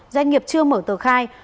doanh nghiệp chưa mở tờ khai